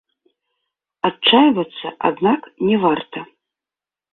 Адчайвацца, аднак, не варта.